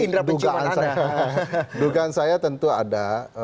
tapi dugaan saya tentu ada